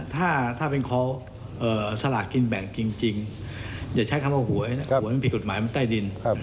ถ้าเป็นเขาสลากกินแบ่งจริงอย่าใช้คำว่าหวยนะครับหวยมันผิดกฎหมายมันใต้ดิน